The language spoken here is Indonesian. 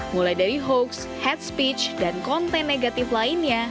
mulai dari hoax hate speech dan konten negatif lainnya